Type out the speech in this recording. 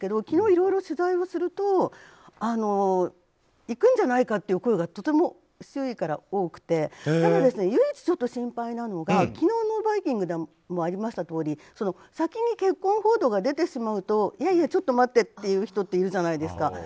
昨日、いろいろ取材をするといくんじゃないかという声がとても周囲から多くてただ、唯一心配なのが昨日の「バイキング」でもありましたとおり先に結婚報道が出てしまうといやいやちょっと待ってっていう人っているじゃないですか。